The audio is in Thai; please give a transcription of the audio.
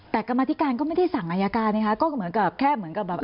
แต่กรรมธิการก็ไม่ได้สั่งอายการไงคะก็เหมือนกับแค่เหมือนกับแบบ